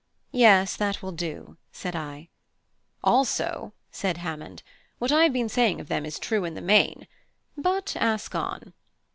'" "Yes, that will do," said I. "Also," said Hammond, "what I have been saying of them is true in the main. But ask on!"